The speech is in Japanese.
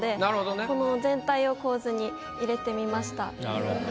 なるほど。